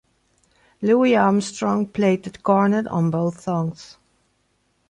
Louis Armstrong played the cornet on both songs.